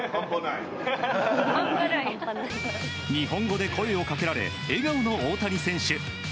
日本語で声を掛けられ笑顔の大谷選手。